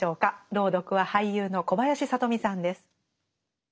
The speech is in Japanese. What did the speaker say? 朗読は俳優の小林聡美さんです。